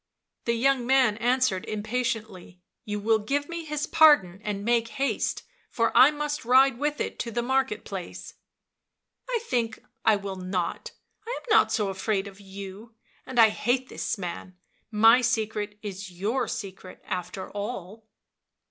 The young man answered impatiently. " You will give me his pardon, and make haste, for I must ride with it to the market place. 77 " I think I will not; I am not so afraid of you, and I hate this man — my secret is your secret after all.